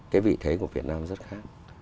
cái vị thế của việt nam rất khác